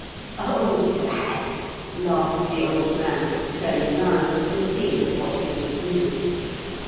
"Oh, that?" laughed the old man, turning round and seeing to what he was alluding.